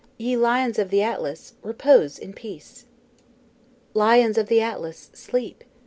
Ye Lions of the Atlas, repose in peace! LIONS of the Atlas, sleep!